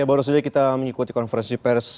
baru saja kita mengikuti konferensi pers